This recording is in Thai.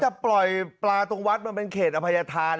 จะปล่อยปลาตรงวัดเฉพาะต้องการมายไปคุณผู้ชม